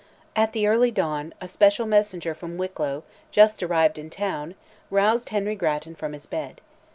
At the early dawn, a special messenger from Wicklow, just arrived in town, roused Henry Grattan from his bed.